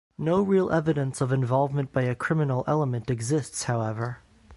No real evidence of involvement by a criminal element exists, however.